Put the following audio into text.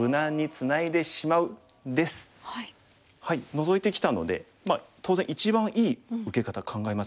ノゾいてきたので当然一番いい受け方考えますよね。